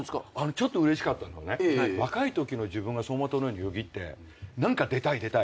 ちょっとうれしかったのはね若いときの自分が走馬灯のようによぎって何か出たい出たい。